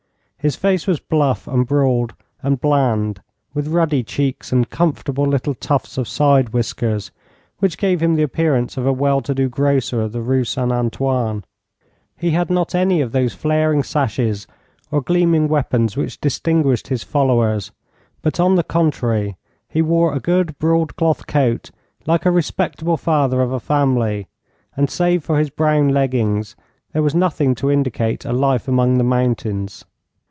His face was bluff and broad and bland, with ruddy cheeks and comfortable little tufts of side whiskers, which gave him the appearance of a well to do grocer of the Rue St Antoine. He had not any of those flaring sashes or gleaming weapons which distinguished his followers, but on the contrary he wore a good broadcloth coat like a respectable father of a family, and save for his brown leggings there was nothing to indicate a life among the mountains.